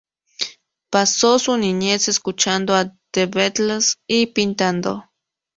Pasó su niñez escuchando a The Beatles y pintando.